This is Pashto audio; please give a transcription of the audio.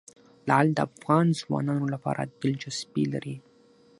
لعل د افغان ځوانانو لپاره دلچسپي لري.